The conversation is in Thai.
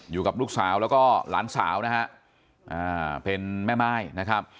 อยู่กับลูกสาวแล้วก็หลานสาวนะฮะเป็นแม่ม่ายนะครับ